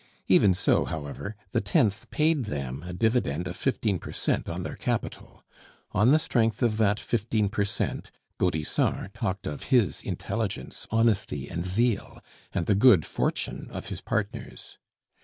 Even so, however, the tenth paid them a dividend of fifteen per cent on their capital. On the strength of that fifteen per cent Gaudissart talked of his intelligence, honesty, and zeal, and the good fortune of his partners.